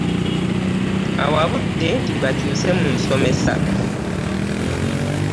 Awabudde nti bakyuuse mu nsomesa.